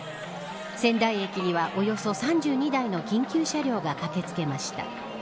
仙台駅には、およそ３２台の緊急車両が駆け付けました。